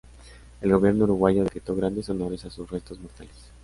El Gobierno uruguayo decretó grandes honores a sus restos mortales.